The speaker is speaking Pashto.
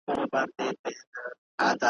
نه مستي سته د رندانو نه شرنګی د مطربانو `